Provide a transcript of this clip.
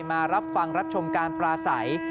มารับฟังรับชมการปลาใส